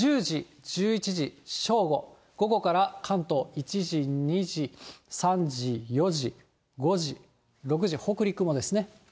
１０時、１１時、正午、午後から関東、１時、２時、３時、４時、５時、６時、北陸もですね。